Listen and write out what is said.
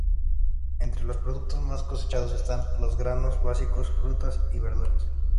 Entre los productos más cosechados están los granos básicos, frutas y verduras.